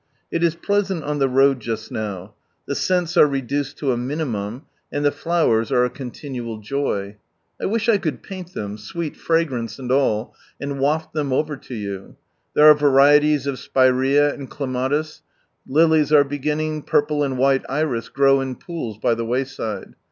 It it pleasBBt 00 the road just now ; tbe scents are reduced to a minimum, and the fiowcn are a cootifUBl jaj. I wish I could paint Ibcm, sweet bagnnce and ail. and waft Aem o««r to jou. There are vahetJes of spirea and cjemaiis ; Glies are bcgjiwiafr porpleand wliite iris grow in pools by die wvrside.